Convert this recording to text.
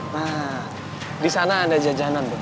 nah disana ada jajanan